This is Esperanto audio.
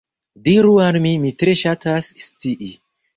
Diru al mi, mi tre ŝatas scii.